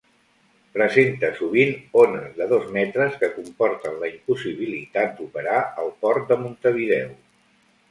Presenta sovint ones de dos metres que comporten la impossibilitat d'operar el Port de Montevideo.